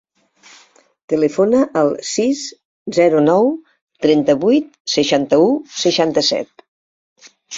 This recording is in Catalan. Telefona al sis, zero, nou, trenta-vuit, seixanta-u, seixanta-set.